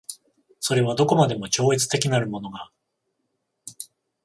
それはどこまでも超越的なるものが